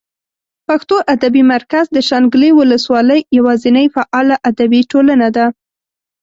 پښتو ادبي مرکز د شانګلې اولس والۍ یواځینۍ فعاله ادبي ټولنه ده